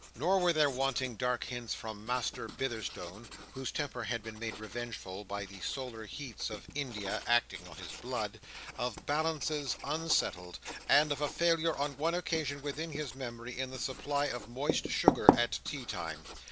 Nor were there wanting dark hints from Master Bitherstone (whose temper had been made revengeful by the solar heats of India acting on his blood), of balances unsettled, and of a failure, on one occasion within his memory, in the supply of moist sugar at tea time.